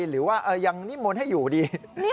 หรือว่ายังนิมนต์ให้อยู่ดี